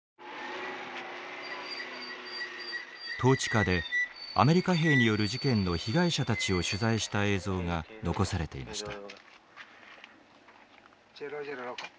統治下でアメリカ兵による事件の被害者たちを取材した映像が残されていました。